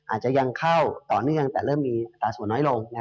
อาจจะยังเข้าต่อเนื่องแต่เริ่มมีอัตราส่วนน้อยลง